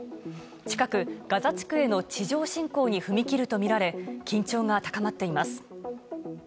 近く、ガザ地区への地上侵攻に踏み切るとみられ緊張が高まっています。